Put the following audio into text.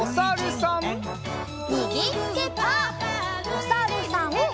おさるさん。